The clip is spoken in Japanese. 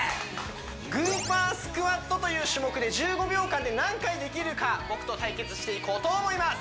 グーパースクワットという種目で１５秒間で何回できるか僕と対決していこうと思います